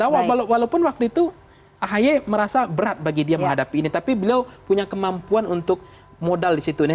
walaupun waktu itu ahy merasa berat bagi dia menghadapi ini tapi beliau punya kemampuan untuk modal di situ ini